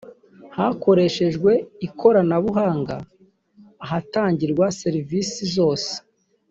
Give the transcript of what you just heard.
hakoreshejwe ikoranabuhanga ahatangirwa serivisi zose